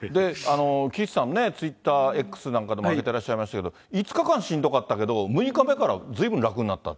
岸さんね、ツイッター、Ｘなんかでも上げてらっしゃいましたけど、５日間しんどかったけど、６日目からずいぶん楽になったって。